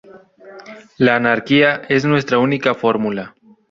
La anarquía es nuestra única fórmula.